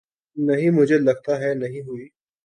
نہیں مجھےلگتا ہے نہیں ہوئی